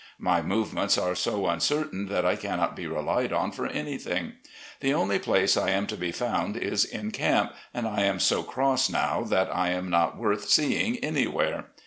My movements are so uncertain that I caimot be relied on for anything. The only place I am to be found is in camp, and I am so cross now that I am not worth seeing anywhere.